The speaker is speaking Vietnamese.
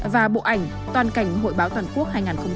và bộ ảnh toàn cảnh hội báo toàn quốc